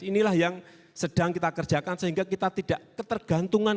inilah yang sedang kita kerjakan sehingga kita tidak ketergantungan